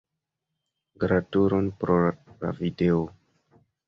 Gratulon pro la video.